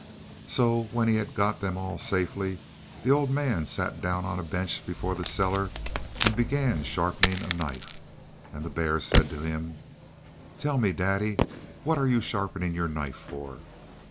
] So when he had got them all safely the old man sat down on a bench before the cellar and began sharpening a knife. And the bear said to him: "Tell me, daddy, what are you sharpening your knife for?"